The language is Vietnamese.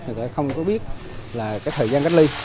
người ta không có biết là cái thời gian cách ly